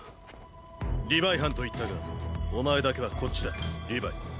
リヴァイ班と言ったがお前だけはこっちだリヴァイ。